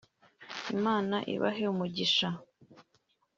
Imana abahe umugisha